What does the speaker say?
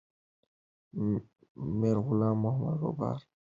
میرغلام محمد غبار به یې سرښندنه وستایي.